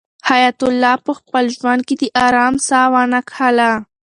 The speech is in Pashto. حیات الله په خپل ژوند کې د آرام ساه ونه کښله.